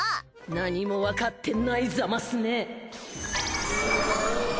何もわかってないざますね！